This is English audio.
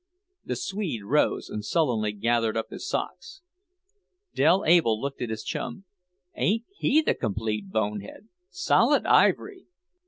The Swede rose and sullenly gathered up his socks. Dell Able looked at his chum. "Ain't he the complete bonehead? Solid ivory!"